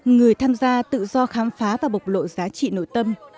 người tham gia tự do khám phá và bộc lộ giá trị nội tâm